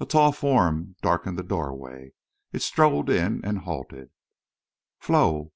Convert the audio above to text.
A tall form darkened the doorway. It strode in and halted. "Flo!